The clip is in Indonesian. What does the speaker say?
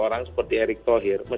orang seperti erick thohir